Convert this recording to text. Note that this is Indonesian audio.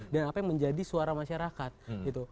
dan apa yang menjadi suara masyarakat